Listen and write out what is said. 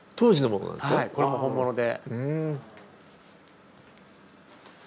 はいこれも本物で。